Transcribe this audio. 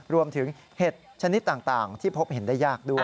เห็ดชนิดต่างที่พบเห็นได้ยากด้วย